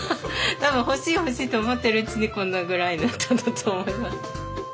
多分欲しい欲しいと思ってるうちにこんなぐらいになったんだと思います。